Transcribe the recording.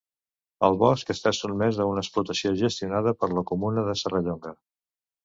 El bosc està sotmès a una explotació gestionada per la comuna de Serrallonga.